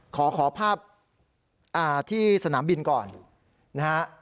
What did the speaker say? ขอภาพที่สนามบินก่อนนะฮะ